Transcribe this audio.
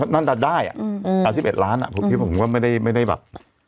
นั้นแต่ได้อ่ะอืมอ่อนสิบเอ็ดล้านอ่ะเพราะว่าบ้างไม่ได้ไม่ได้บับ